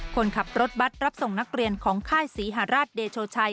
คนขับรถบัตรรับส่งนักเรียนของค่ายศรีหาราชเดโชชัย